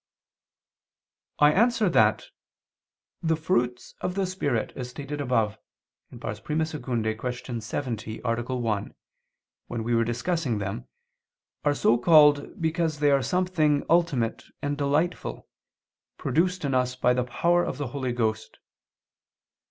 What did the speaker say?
I answer that, The fruits of the Spirit, as stated above (I II, Q. 70, A. 1), when we were discussing them, are so called because they are something ultimate and delightful, produced in us by the power of the Holy Ghost.